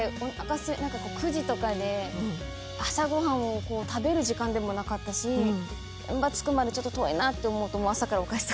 何か９時とかで朝ご飯を食べる時間でもなかったし現場着くまでちょっと遠いなって思うと。